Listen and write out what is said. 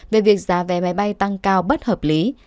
về việc giá vé máy bay tăng cao bất hợp lý